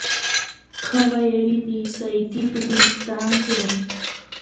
ښه ویلي دي سعدي په ګلستان کي